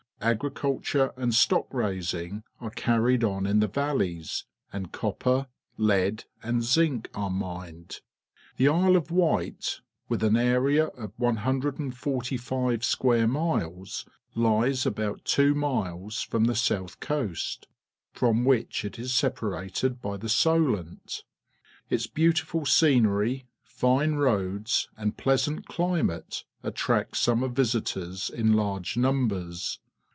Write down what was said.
Agriculture and stock raising are carried on in the valleys, and copper, lead, and zinc are mined. The SCOTLAND 171 Isle of Wight, with an area of 145 square miles, lies about two miles from the south coast, from which it is separated bj' the Solent. Its beautiful scenery, fine roads, and pleasant climate attract summer ^ isitors in large numbers.